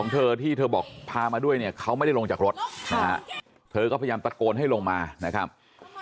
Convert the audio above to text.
เธอก็พยายามตะโกนให้ลงมานะครับ